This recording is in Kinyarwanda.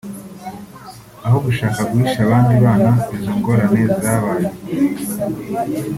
Aho gushaka guhisha abandi bana izo ngorane zabaye